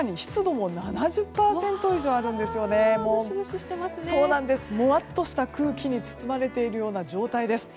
もわっとした空気に包まれているような状態です。